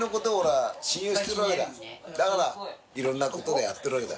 だからいろんなことをやってるわけだ。